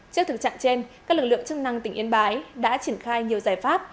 trước thực trạng trên các lực lượng chức năng tỉnh yên bái đã triển khai nhiều giải pháp